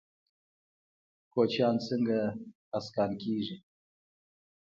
کوچیان څنګه اسکان کیږي؟